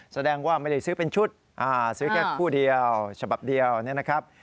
แสดงว่าไม่ได้ซื้อเป็นชุดซื้อแค่คู่เดียวฉบับเดียวเนี่ยนะครับ